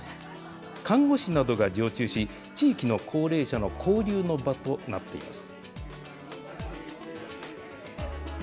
看護師などが常駐し、地域の高齢者の交流の場となっています。